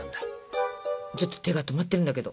ちょっと手が止まってるんだけど。